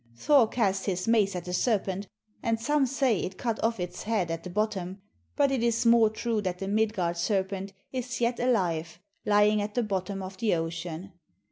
Thor cast his mace at the serpent, and some say it cut off its head at the bottom, but it is more true that the Midgard serpent is yet alive lying at the bottom of the ocean.